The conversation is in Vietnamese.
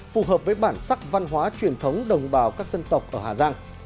phù hợp với bản sắc văn hóa truyền thống đồng bào các dân tộc ở hà giang